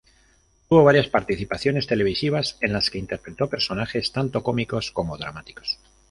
Tuvo varias participaciones televisivas en las que interpretó personajes tanto cómicos como dramáticos.